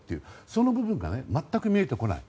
その部分が全く見えてこない。